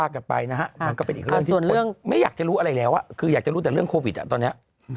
คืออยากจะรู้ทั้งเรื่องโฆวิดอ่ะตอนนี้